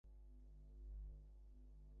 যোগসিদ্ধির একটি অন্যতম শর্ত হইল পবিত্রতা।